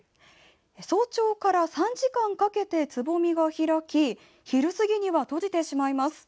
早朝から３時間かけてつぼみが開き昼過ぎには閉じてしまいます。